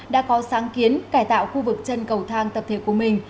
đã có sáng kiến cải tạo khu vực chân cầu thang tập thể của mình